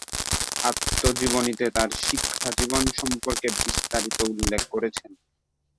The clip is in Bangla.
আত্মজীবনীতে তার শিক্ষাজীবন সম্পর্কে বিস্তারিত উল্লেখ করেছেন।